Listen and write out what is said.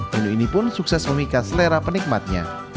menu ini pun sukses memikat selera penikmatnya